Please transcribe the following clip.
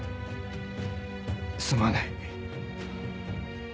すまない。